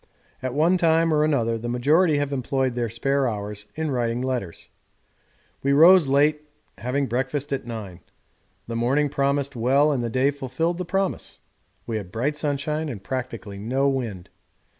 At one time or another the majority have employed their spare hours in writing letters. We rose late, having breakfast at nine. The morning promised well and the day fulfilled the promise: we had bright sunshine and practically no wind.